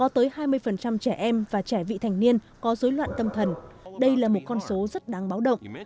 tới hai mươi trẻ em và trẻ vị thành niên có dối loạn tâm thần đây là một con số rất đáng báo động